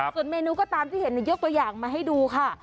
ส่วนเมนูก็ตามที่เห็นยกตัวอย่างมาให้ดูค่ะ